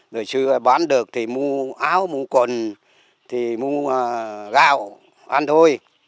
đời xưa bán được thì mua áo mua quần mua rau ăn thôi